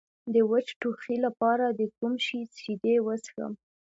د وچ ټوخي لپاره د کوم شي شیدې وڅښم؟